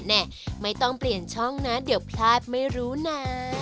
แม่ไม่ต้องเปลี่ยนช่องนะเดี๋ยวพลาดไม่รู้นะ